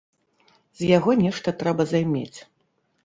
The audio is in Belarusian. З яго нешта трэба займець.